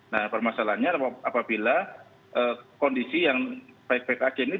nah permasalahannya apabila kondisi yang baik baik aja ini